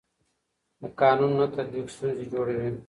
د قانون نه تطبیق ستونزې جوړوي